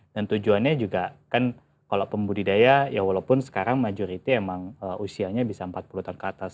dan tujuannya juga kan kalau pembudidaya ya walaupun sekarang majority emang usianya bisa empat puluh tahun ke atas